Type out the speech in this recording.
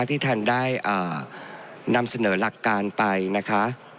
ที่ท่านได้นำเสนอหลักการไปนะคะ